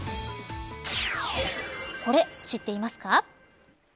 これ、知っていますか。